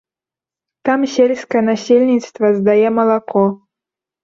Там сельскае насельніцтва здае малако.